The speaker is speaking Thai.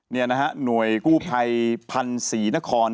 นี่นะฮะหน่วยกู้ภัยพันธ์ศรีนคร